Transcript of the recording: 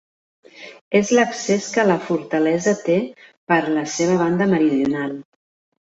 És l'accés que la fortalesa té per la seva banda meridional.